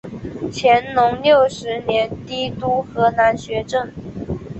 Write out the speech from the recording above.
乾隆六十年提督河南学政。